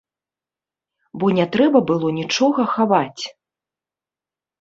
Бо не трэба было нічога хаваць!